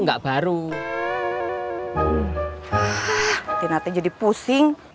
enggak baru which turks rumih sharon